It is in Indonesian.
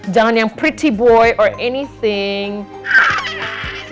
jangan yang pretty boy atau apa apa